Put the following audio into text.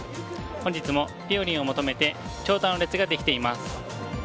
本日も、ぴよりんを求めて長蛇の列ができています。